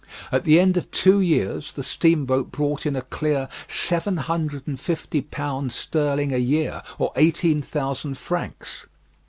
At the end of two years, the steamboat brought in a clear seven hundred and fifty pounds sterling a year, or eighteen thousand francs.